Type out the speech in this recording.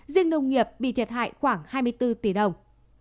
riêng nông nghiệp bị thiệt hại khoảng hai mươi bốn tỷ đồng